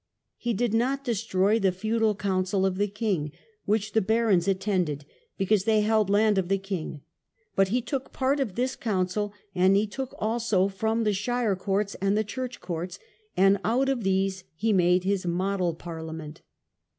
He did not destroy the feudal council of the king, which the barons attended because they held land of the king; but he took part of this council, and he took also from the shire courts and the church courts, and out of these he made his Model Parliament.